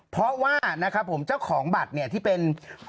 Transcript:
เพราะว่านะครับผมเจ้าของบัตรเนี่ยที่เป็น